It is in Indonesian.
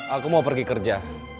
aku mau pergi kerja